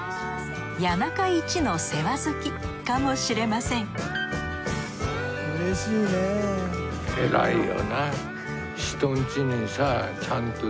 谷中一の世話好きかもしれませんいや